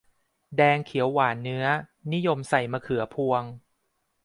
แดงเขียวหวานเนื้อ นิยมใส่มะเขือพวง